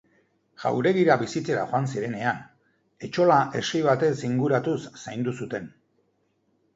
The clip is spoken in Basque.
Jauregira bizitzera joan zirenean, etxola hesi batez inguratuz zaindu zuten.